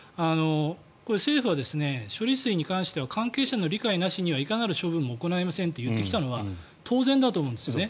これ、政府は処理水に関しては関係者の理解なしにはいかなる処分も行いませんと言ってきたのは当然だと思うんですよね。